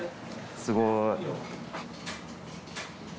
すごい。